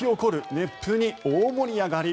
熱風に大盛り上がり。